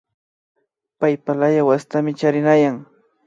Paypalaya wasitami charinayan